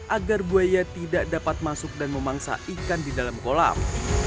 agar buaya tidak dapat masuk dan memangsa ikan di dalam kolam